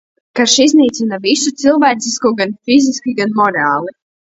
Karš iznīcina visu cilvēcisko gan fiziski, gan morāli.